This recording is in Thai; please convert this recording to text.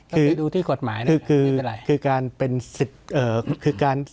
คือคือคือการเป็นสิทธิ์คือการ